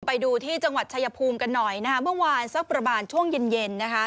ไปดูที่จังหวัดชายภูมิกันหน่อยนะคะเมื่อวานสักประมาณช่วงเย็นเย็นนะคะ